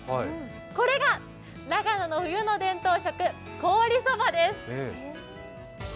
これが長野の冬の伝統食・凍りそばです。